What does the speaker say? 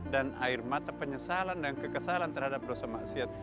dan air mata penyesalan dan kekesalan terhadap dosa maksiat